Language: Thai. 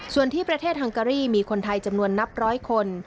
ส่วนที่ประเทศฮังการีมีคนไทยจำนวนนับร้อยคน